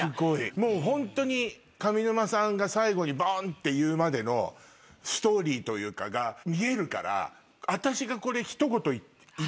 もうホントに上沼さんが最後にぼんって言うまでのストーリーというかが見えるから私がこれ。